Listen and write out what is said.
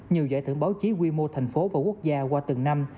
nhiều giải thưởng báo chí quy mô thành phố và quốc gia qua từng năm